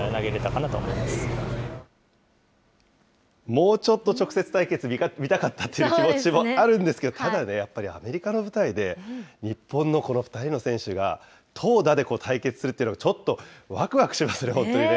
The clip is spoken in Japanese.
もうちょっと直接対決、見たかったって気持ちもあるんですけど、ただね、やっぱりアメリカの舞台で、日本のこの２人の選手が投打で対決するっていうのが、ちょっとわくわくしますね、本当にね。